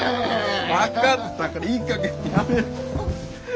分かったからいいかげんにやめろ。